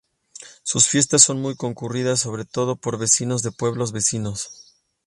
Sus fiestas son muy concurridas, sobre todo por vecinos de pueblos vecinos.